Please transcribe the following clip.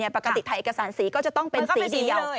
ปกติถ่ายเอกสารสีก็จะต้องเป็นสีเดียว